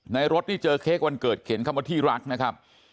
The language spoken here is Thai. รถนี่เจอเค้กวันเกิดเขียนคำว่าที่รักนะครับ